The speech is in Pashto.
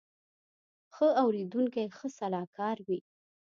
ښه اورېدونکی ښه سلاکار وي